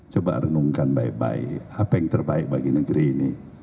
coba renungkan baik baik apa yang terbaik bagi negeri ini